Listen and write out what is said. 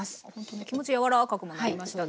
気持ち柔らかくもなりましたね。